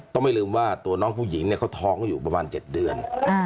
ไม่ลืมว่าตัวน้องผู้หญิงเนี่ยเขาท้องอยู่ประมาณ๗เดือน